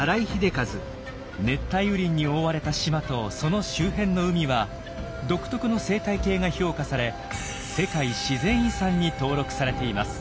熱帯雨林に覆われた島とその周辺の海は独特の生態系が評価され世界自然遺産に登録されています。